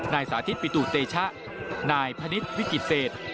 สาธิตปิตุเตชะนายพนิษฐ์วิกฤตเศษ